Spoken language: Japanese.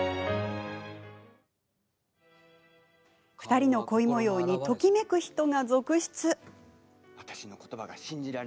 ２人の恋もようにときめく人が続出。